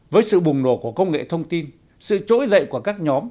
với sự bùng nổ của công nghệ thông tin sự trỗi dậy của các nhóm